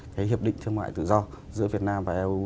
cái hiệp định thương mại tự do giữa việt nam và eu